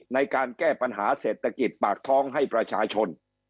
ในการแก้ปัญหาเศรษฐกิจปากท้องให้ประชาชน